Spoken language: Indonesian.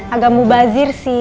agak mubazir sih